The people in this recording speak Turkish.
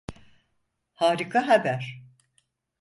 Harika haber.